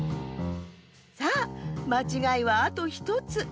さあまちがいはあと１つ。